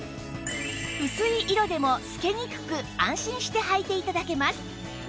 薄い色でも透けにくく安心してはいて頂けます